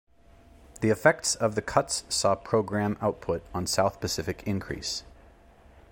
The effects of the cuts saw programme output on South Pacific increase.